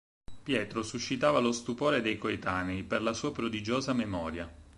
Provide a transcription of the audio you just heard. Pietro suscitava lo stupore dei coetanei per la sua prodigiosa memoria.